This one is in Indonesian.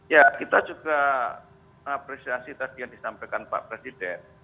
ya kita juga mengapresiasi tadi yang disampaikan pak presiden